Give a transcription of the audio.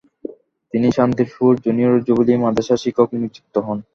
তিনি Shantipur junior jubilee মাদ্রাসার শিক্ষক নিযুক্ত হন।